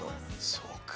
そうか。